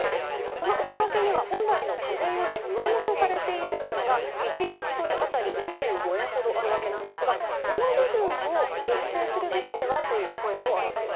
その内訳には本来の課税より上乗せされている分が１リットル当たり２５円ほどあるわけなんですが、この部分を減税するべきではという声もあるんです。